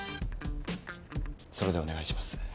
それでお願いします。